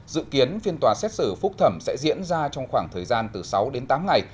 dự kiến phiên tòa xét xử phúc thẩm sẽ diễn ra trong khoảng thời gian từ sáu đến tám ngày